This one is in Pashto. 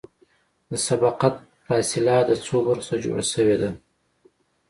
د سبقت فاصله د څو برخو څخه جوړه شوې ده